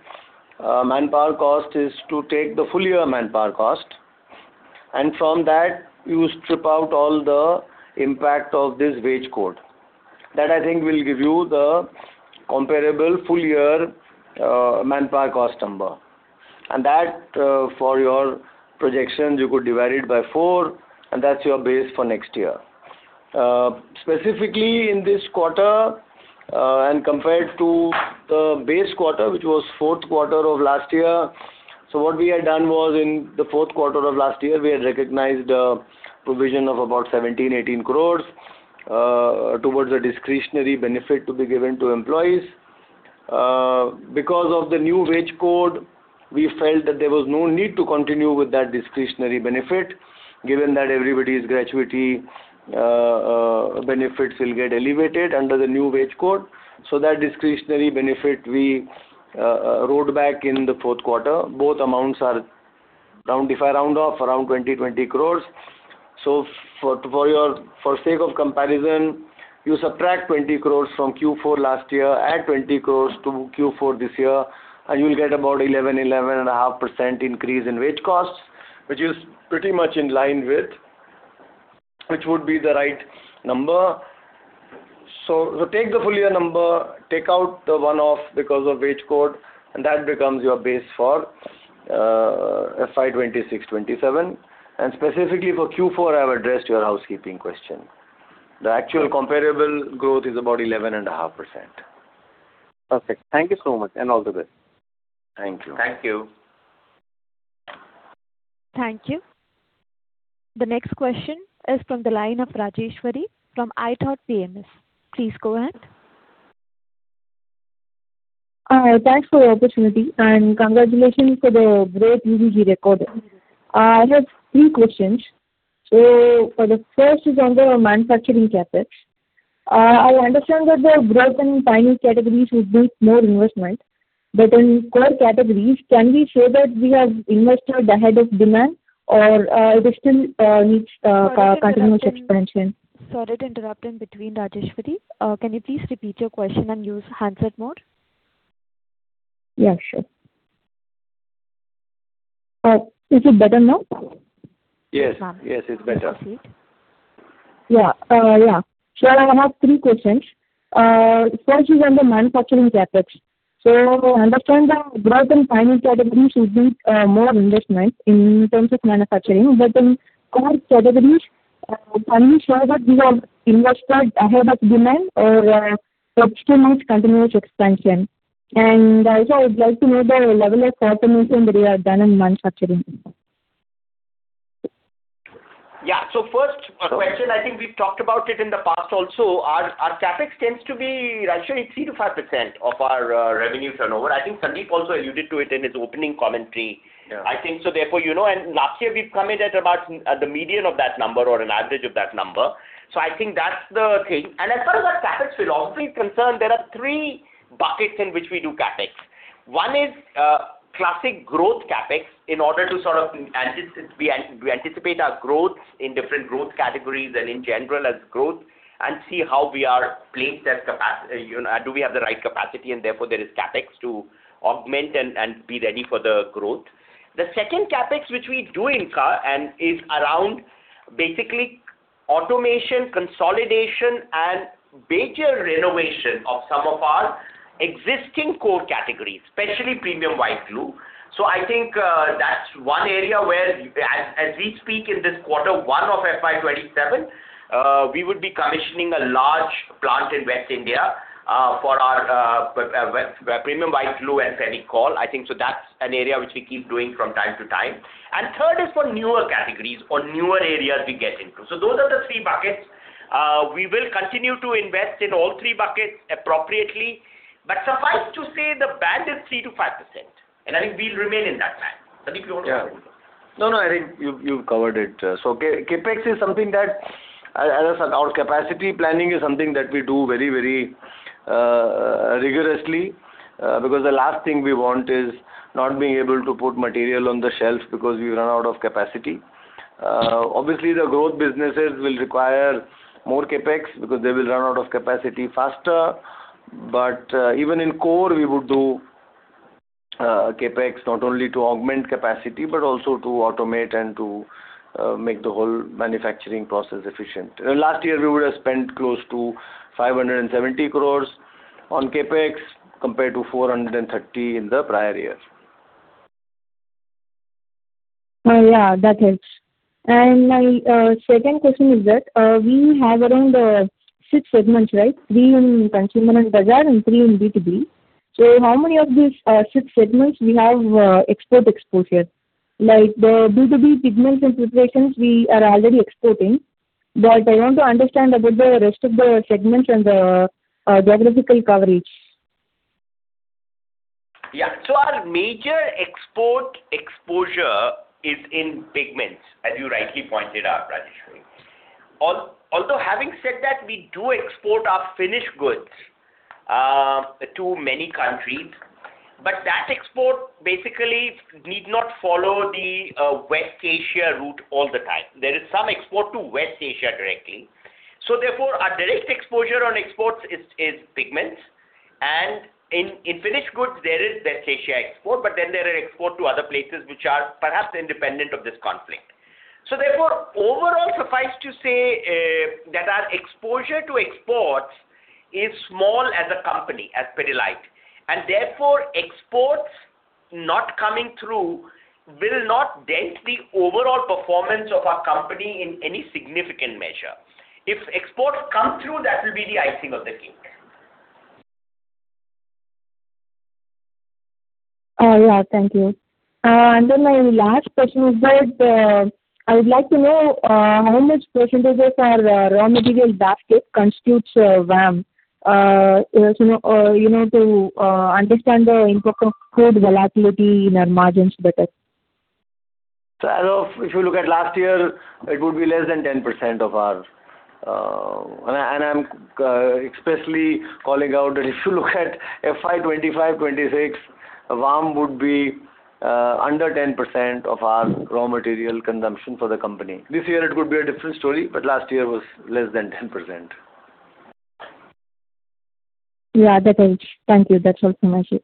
manpower cost is to take the full year manpower cost, and from that you strip out all the impact of this wage code. That, I think, will give you the comparable full year manpower cost number. That, for your projections, you could divide it by four, and that's your base for next year. Specifically in this quarter, and compared to the base quarter, which was fourth quarter of last year, what we had done was in the fourth quarter of last year, we had recognized a provision of about 17 crore, 18 crore towards a discretionary benefit to be given to employees. Because of the new wage code, we felt that there was no need to continue with that discretionary benefit, given that everybody's gratuity benefits will get elevated under the new wage code. That discretionary benefit we wrote back in the fourth quarter. Both amounts are round, if I round off, around 20 crore. For sake of comparison, you subtract 20 crore from Q4 last year, add 20 crore to Q4 this year, and you'll get about 11%,11.5% increase in wage costs, which is pretty much in line with, which would be the right number. Take the full year number, take out the one-off because of wage code, and that becomes your base for FY 2026, 2027. Specifically for Q4, I've addressed your housekeeping question. The actual comparable growth is about 11.5%. Perfect. Thank you so much, and all the best. Thank you. Thank you. Thank you. The next question is from the line of Rajeshwari from ithoughtPMS. Please go ahead. Thanks for the opportunity and congratulations for the great Q3 recording. I have three questions. For the first is on the manufacturing CapEx. I understand that the growth in finance categories would be more investment. In core categories, can we say that we have invested ahead of demand or it still needs co-continuous expansion? Sorry to interrupt in between, Rajeshwari. Can you please repeat your question and use handset mode? Yeah, sure. Is it better now? Yes. Yeah. Yes, it's better. Okay. Yeah. Yeah. Sure, I have three questions. First is on the manufacturing CapEx. I understand the growth in finance categories would be more investment in terms of manufacturing. But in core categories, can we say that we have invested ahead of demand or it still needs continuous expansion? Also I would like to know the level of automation that we have done in manufacturing. Yeah. First question, I think we've talked about it in the past also. Our CapEx tends to be, Rajeshwari, 3%-5% of our revenue turnover. I think Sandeep also alluded to it in his opening commentary. Yeah. I think so therefore, you know, last year we've come in at about the median of that number or an average of that number. I think that's the thing. As far as our CapEx philosophy is concerned, there are three buckets in which we do CapEx. One is classic growth CapEx in order to sort of we anticipate our growth in different growth categories and in general as growth and see how we are placed as capa, you know, do we have the right capacity and therefore there is CapEx to augment and be ready for the growth. The second CapEx, which we do incur and is around basically automation, consolidation and major renovation of some of our existing core categories, especially premium white glue. I think that's one area where as we speak in this Q1 of FY 2027, we would be commissioning a large plant in West India for our premium white glue and Fevicol. That's an area which we keep doing from time to time. Third is for newer categories or newer areas we get into. Those are the three buckets. We will continue to invest in all three buckets appropriately. Suffice to say the band is 3%-5%, and I think we'll remain in that band. Sandeep, you wanna add something? Yeah. No, no, I think you covered it. CapEx is something that, as I said, our capacity planning is something that we do very, very rigorously. Because the last thing we want is not being able to put material on the shelves because we run out of capacity. Obviously the growth businesses will require more CapEx because they will run out of capacity faster. Even in core, we would do CapEx not only to augment capacity, but also to automate and to make the whole manufacturing process efficient. Last year we would have spent close to 570 crore on CapEx compared to 430 crore in the prior year. Yeah, that helps. My second question is that we have around six segments, right? Three in Consumer & Bazaar and three in B2B. How many of these six segments we have export exposure? Like the B2B pigments and preparations we are already exporting. I want to understand about the rest of the segments and the geographical coverage. Our major export exposure is in pigments, as you rightly pointed out, Rajeshwari. Although having said that, we do export our finished goods to many countries. That export basically need not follow the West Asia route all the time. There is some export to West Asia directly. Therefore, our direct exposure on exports is pigments. In finished goods there is West Asia export, there are export to other places which are perhaps independent of this conflict. Therefore, overall, suffice to say that our exposure to exports is small as a company, as Pidilite, therefore exports not coming through will not dent the overall performance of our company in any significant measure. If exports come through, that will be the icing of the cake. Yeah. Thank you. Then my last question is that, I would like to know, how much percentages are raw materials that constitutes VAM. You know, to understand the input cost volatility in our margins better. I'm expressly calling out that if you look at FY 2025, 2026, VAM would be under 10% of our raw material consumption for the company. This year it could be a different story, last year was less than 10%. Yeah, that helps. Thank you. That's all from my side.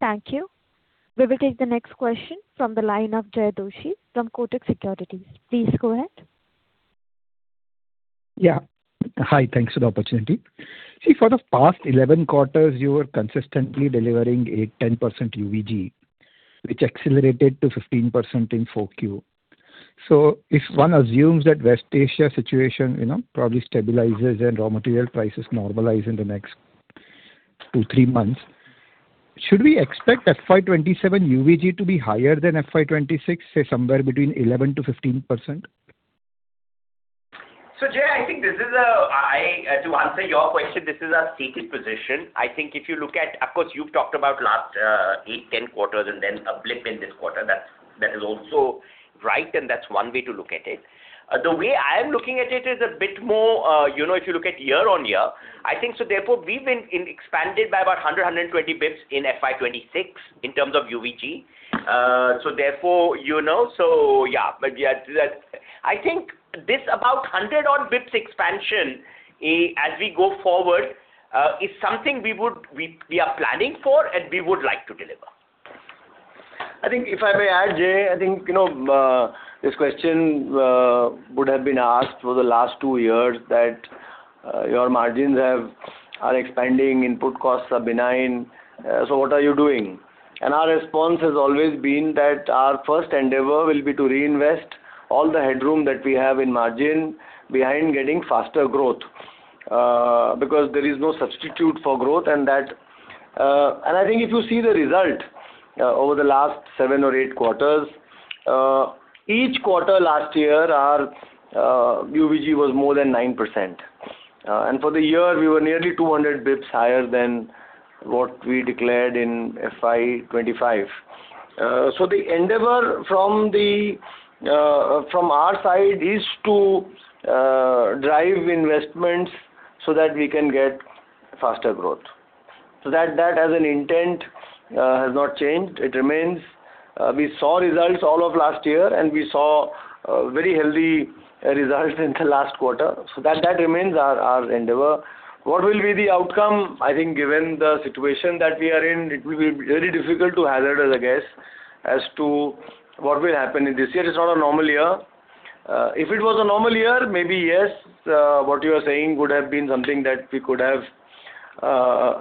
Thank you. We will take the next question from the line of Jay Doshi from Kotak Securities. Please go ahead. Yeah. Hi. Thanks for the opportunity. For the past 11 quarters you were consistently delivering a 10% UVG, which accelerated to 15% in 4Q. If one assumes that West Asia situation, you know, probably stabilizes and raw material prices normalize in the next two, three months, should we expect FY 2027 UVG to be higher than FY 2026, say somewhere between 11%-15%? Jay, I think this is to answer your question, this is a stated position. I think if you look at Of course, you've talked about last eight, 10 quarters and then a blip in this quarter. That is also right, and that's one way to look at it. The way I am looking at it is a bit more, you know, if you look at year on year, I think so therefore we've been in expanded by about 120 basis points in FY 2026 in terms of UVG. Therefore, you know, so yeah. Yeah, that I think this about 100 odd basis points expansion, as we go forward, is something we are planning for and we would like to deliver. I think if I may add, Jay, I think, you know, this question would have been asked for the last two years that your margins are expanding, input costs are benign, what are you doing? Our response has always been that our first endeavor will be to reinvest all the headroom that we have in margin behind getting faster growth. Because there is no substitute for growth. I think if you see the result over the last seven or eight quarters, each quarter last year our UVG was more than 9%. For the year we were nearly 200 basis points higher than what we declared in FY 2025. The endeavor from our side is to drive investments so that we can get faster growth. That as an intent has not changed. It remains. We saw results all of last year and we saw a very healthy result in the last quarter. That remains our endeavor. What will be the outcome? I think given the situation that we are in, it will be very difficult to hazard a guess as to what will happen in this year. It's not a normal year. If it was a normal year, maybe yes, what you are saying would have been something that we could have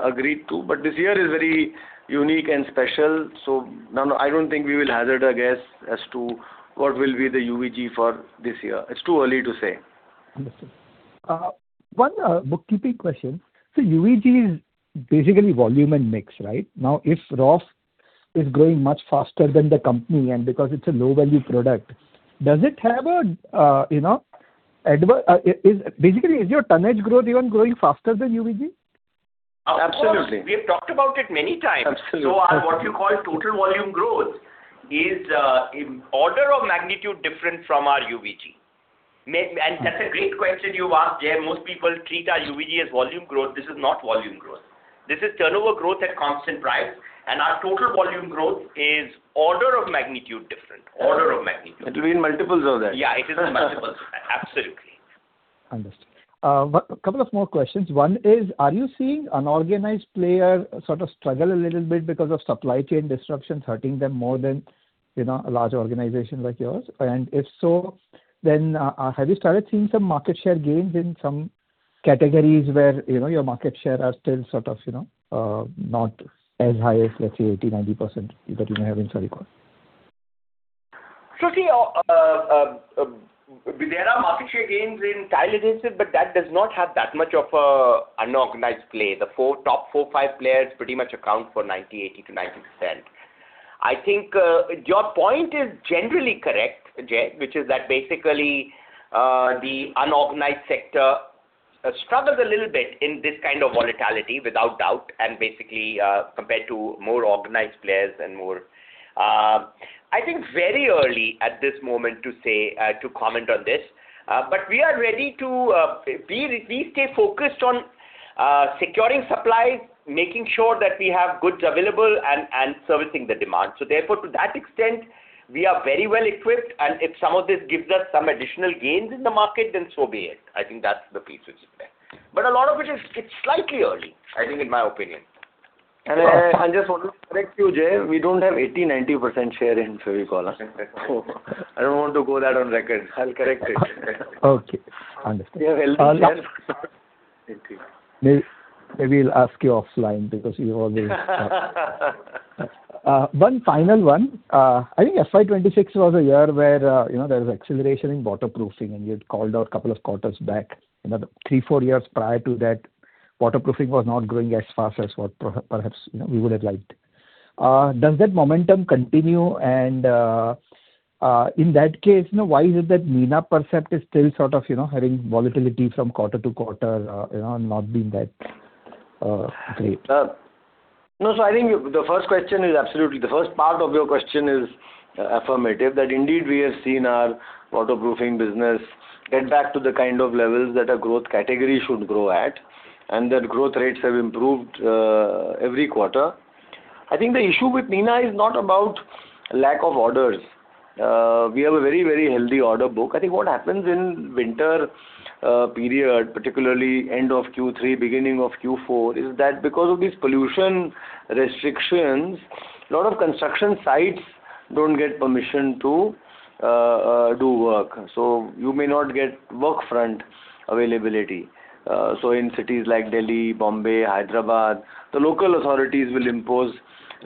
agreed to. This year is very unique and special, so no, I don't think we will hazard a guess as to what will be the UVG for this year. It's too early to say. Understood. One bookkeeping question. UVG is basically volume and mix, right? If Roff is growing much faster than the company and because it is a low-value product, Basically, is your tonnage growth even growing faster than UVG? Absolutely. Of course. We have talked about it many times. Absolutely. Our, what you call total volume growth is in order of magnitude different from our UVG. That's a great question you've asked, Jay. Most people treat our UVG as volume growth. This is not volume growth. This is turnover growth at constant price, and our total volume growth is order of magnitude different. Order of magnitude. It will be in multiples of that. Yeah, it is in multiples. Absolutely. Understood. A couple of more questions. One is, are you seeing unorganized player sort of struggle a little bit because of supply chain disruptions hurting them more than, you know, a large organization like yours? If so, have you started seeing some market share gains in some categories where, you know, your market share are still sort of, you know, not as high as, let's say, 80%, 90% that you may have in Fevicol? See, there are market share gains in tile adhesive, but that does not have that much of an unorganized play. The top four, five players pretty much account for 90%, 80%-90%. I think your point is generally correct, Jay, which is that basically, the unorganized sector struggles a little bit in this kind of volatility without doubt, and basically, compared to more organized players. I think very early at this moment to say, to comment on this. But we are ready to, we stay focused on securing supplies, making sure that we have goods available and servicing the demand. Therefore, to that extent, we are very well equipped, and if some of this gives us some additional gains in the market, then so be it. I think that's the piece which is there. A lot of it is, it's slightly early, I think, in my opinion. I just want to correct you, Jay. We don't have 80%, 90% share in Fevicol. I don't want to go that on record. I'll correct it. Okay. Understood. We have healthy share. Maybe I'll ask you offline. One final one. I think FY 2026 was a year where, you know, there was acceleration in waterproofing, and you had called out a couple of quarters back. You know, three, four years prior to that, waterproofing was not growing as fast as what perhaps, you know, we would have liked. Does that momentum continue? In that case, you know, why is it that Nina Percept is still sort of, you know, having volatility from quarter-to-quarter, you know, and not being that great? I think the first part of your question is affirmative, that indeed we have seen our waterproofing business get back to the kind of levels that a growth category should grow at, and that growth rates have improved every quarter. I think the issue with Nina is not about lack of orders. We have a very, very healthy order book. I think what happens in winter period, particularly end of Q3, beginning of Q4, is that because of these pollution restrictions, lot of construction sites don't get permission to do work. In cities like Delhi, Bombay, Hyderabad, the local authorities will impose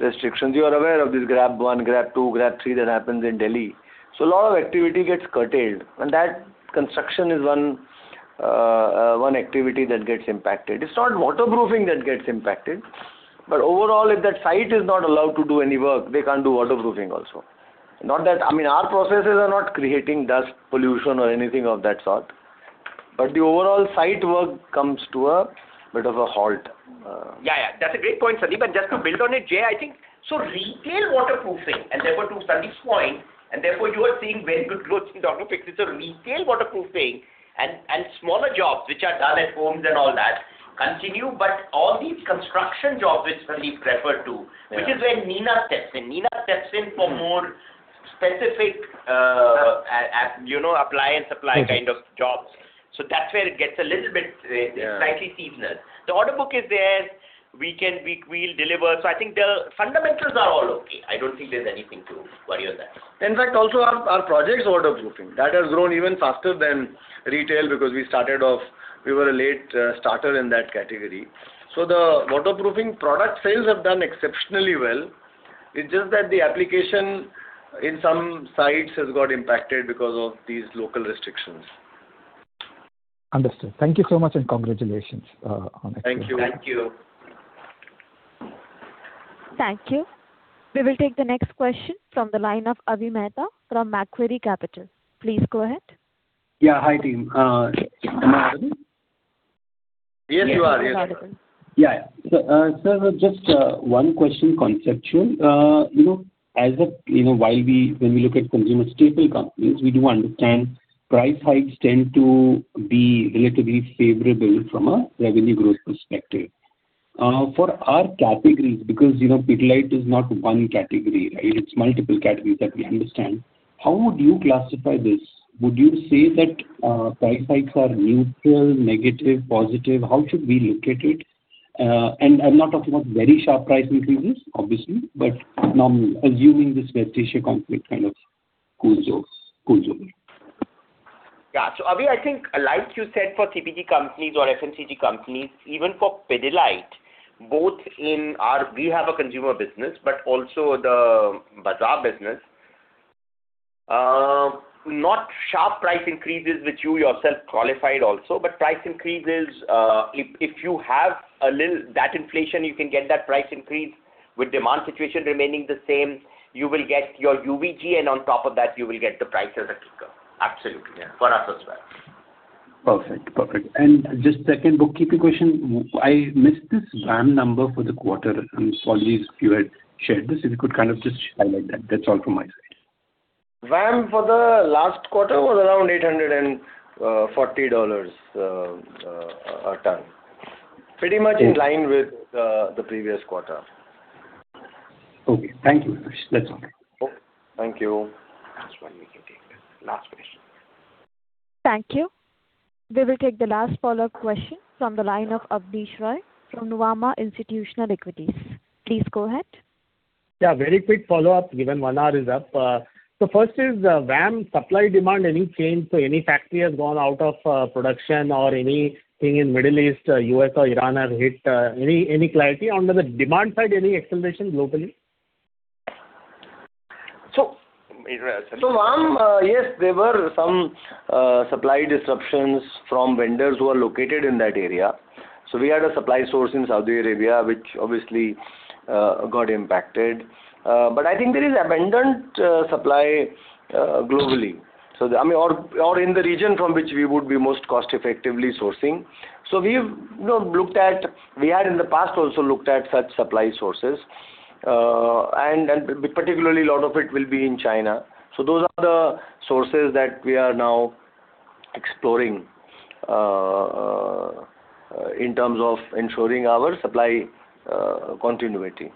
restrictions. You are aware of this GRAP Stage 1, GRAP Stage 2, GRAP Stage 3 that happens in Delhi. A lot of activity gets curtailed, and that construction is one activity that gets impacted. It's not waterproofing that gets impacted. Overall, if that site is not allowed to do any work, they can't do waterproofing also. I mean, our processes are not creating dust pollution or anything of that sort, but the overall site work comes to a bit of a halt. Yeah, yeah. That's a great point, Sandeep. Just to build on it, Jay, I think retail waterproofing, and therefore to Sandeep's point, and therefore you are seeing very good growth in the order book. It's a retail waterproofing and smaller jobs which are done at homes and all that continue. All these construction jobs which Sandeep referred to. Yeah. which is where Nina steps in. Nina steps in for more specific, you know, apply and supply kind of jobs. That's where it gets a little bit. Yeah. slightly seasonal. The order book is there. We'll deliver. I think the fundamentals are all okay. I don't think there's anything to worry on that. In fact, also our projects waterproofing, that has grown even faster than retail because we started off, we were a late starter in that category. The waterproofing product sales have done exceptionally well. It is just that the application in some sites has got impacted because of these local restrictions. Understood. Thank you so much, and congratulations, on it. Thank you. Thank you. Thank you. We will take the next question from the line of Avi Mehta from Macquarie Capital. Please go ahead. Yeah. Hi, team. Am I audible? Yes, you are. Yes, you are. Yes, you are audible. Yeah, yeah. Sir, just one question, conceptual. You know, as a, you know, while when we look at consumer staple companies, we do understand price hikes tend to be relatively favorable from a revenue growth perspective. For our categories, because, you know, Pidilite is not one category, right? It's multiple categories that we understand. How would you classify this? Would you say that price hikes are neutral, negative, positive? How should we look at it? I'm not talking about very sharp price increases, obviously, but assuming this geopolitical conflict kind of cools off, cools over. Avi, I think like you said, for CPG companies or FMCG companies, even for Pidilite, both in our consumer business, but also the Bazaar business. Not sharp price increases, which you yourself qualified also, but price increases, if you have a little that inflation, you can get that price increase with demand situation remaining the same. You will get your UVG, and on top of that, you will get the price as a kicker. Absolutely, for us as well. Perfect. Perfect. Just second bookkeeping question. I missed this VAM number for the quarter. I'm sorry if you had shared this. If you could kind of just highlight that. That's all from my side. VAM for the last quarter was around $840 a ton. Pretty much in line with the previous quarter. Okay. Thank you. That's all. Thank you. Last one we can take then. Last question. Thank you. We will take the last follow-up question from the line of Abneesh Roy from Nuvama Institutional Equities. Please go ahead. Yeah, very quick follow-up, given one hour is up. First is, VAM supply demand, any change? Any factory has gone out of production or anything in Middle East, U.S. or Iran has hit, any clarity? On the demand side, any acceleration globally? So- Sandeep. VAM, yes, there were some supply disruptions from vendors who are located in that area. We had a supply source in Saudi Arabia, which obviously got impacted. I think there is abundant supply globally. I mean, or in the region from which we would be most cost-effectively sourcing. We had in the past also looked at such supply sources. And particularly a lot of it will be in China. Those are the sources that we are now exploring in terms of ensuring our supply continuity.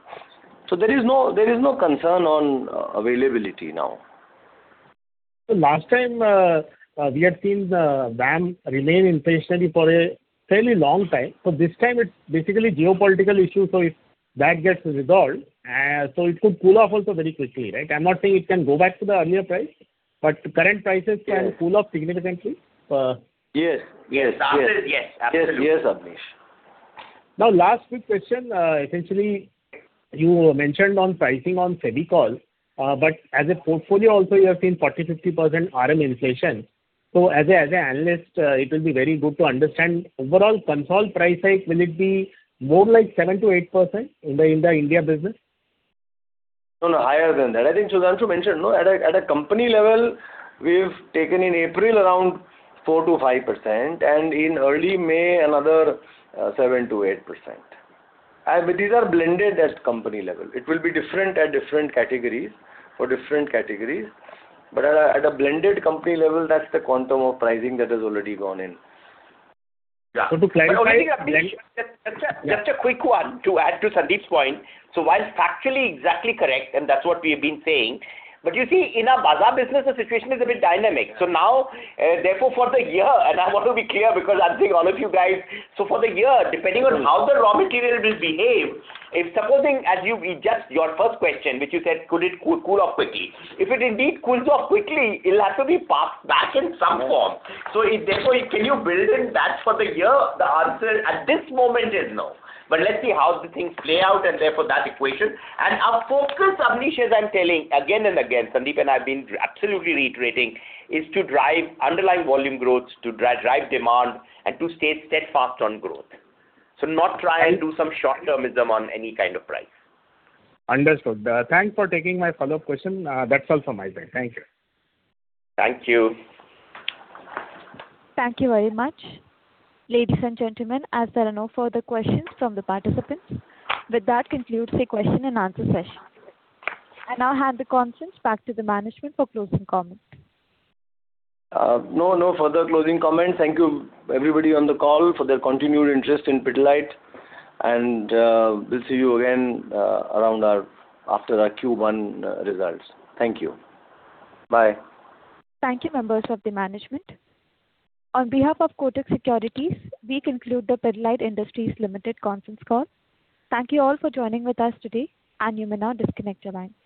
There is no concern on availability now. Last time, we had seen the VAM remain inflationary for a fairly long time. This time it's basically geopolitical issue. If that gets resolved, it could cool off also very quickly, right? I'm not saying it can go back to the earlier price, but current prices can cool off significantly. Yes. Yes. Yes. The answer is yes. Absolutely. Yes. Yes, Abneesh. Now, last quick question. Essentially you mentioned on pricing on Fevicol, but as a portfolio also you have seen 40%-50% RM inflation. As an analyst, it will be very good to understand overall consolidated price hike, will it be more like 7%-8% in the India business? No, no, higher than that. I think Sudhanshu mentioned, no, at a company level, we've taken in April around 4% to 5%, and in early May another 7% to 8%. These are blended at company level. It will be different at different categories, for different categories. At a blended company level, that's the quantum of pricing that has already gone in. Yeah. To clarify, just a quick one to add to Sandeep's point. While factually exactly correct, and that's what we've been saying. You see, in our bazaar business, the situation is a bit dynamic. Now, therefore for the year, and I want to be clear because I'm seeing all of you guys. For the year, depending on how the raw material will behave, if supposing Your first question, which you said, could it cool off quickly? If it indeed cools off quickly, it'll have to be passed back in some form. If therefore, can you build in that for the year? The answer at this moment is no. Let's see how the things play out and therefore that equation. Our focus, Abneesh Roy, as I'm telling again and again, Sandeep and I've been absolutely reiterating, is to drive underlying volume growth, to drive demand, and to stay steadfast on growth. Not try and do some short-termism on any kind of price. Understood. Thanks for taking my follow-up question. That's all from my side. Thank you. Thank you. Thank you very much. Ladies and gentlemen, as there are no further questions from the participants, with that concludes the question and answer session. I now hand the conference back to the management for closing comments. No further closing comments. Thank you everybody on the call for their continued interest in Pidilite. We'll see you again after our Q1 results. Thank you. Bye. Thank you, members of the management. On behalf of Kotak Securities, we conclude the Pidilite Industries Limited conference call. Thank you all for joining with us today, and you may now disconnect your lines.